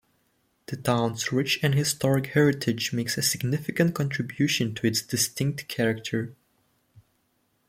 The town's rich and historic heritage makes a significant contribution to its distinct character.